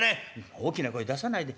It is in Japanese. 「大きな声出さないで。